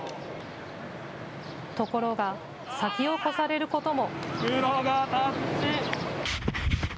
ところが先を越されることも。